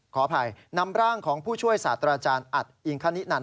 ขออภัยนำร่างของผู้ช่วยศาสตราจารย์อัดอิงคณินัน